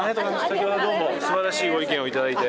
先ほどはどうもすばらしいご意見を頂いて。